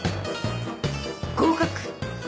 合格！